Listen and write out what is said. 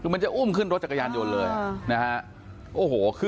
คือมันจะอุ้มขึ้นรถจักรยานยนต์เลยนะฮะโอ้โห